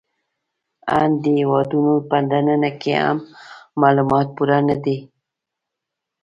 آن د هېوادونو په دننه کې هم معلومات پوره نهدي